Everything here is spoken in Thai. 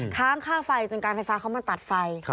ค้างค่าไฟจนการไฟฟ้าเขามาตัดไฟ